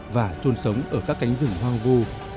và trôn sống ở các cánh rừng hoang vu